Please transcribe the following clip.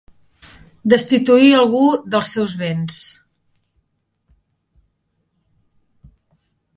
Destituir algú dels seus béns.